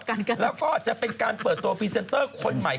แล้วก็จะเป็นการเปิดตัวพรีเซนเตอร์คนใหม่